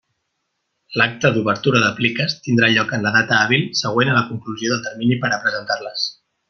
L'acte d'obertura de pliques tindrà lloc en la data hàbil següent a la conclusió del termini per a presentar-les.